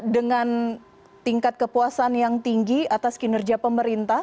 dengan tingkat kepuasan yang tinggi atas kinerja pemerintah